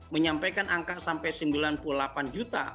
menyampaikan angka sampai sembilan puluh delapan juta